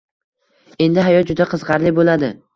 — Endi hayot juda qiziqarli bo‘ladi!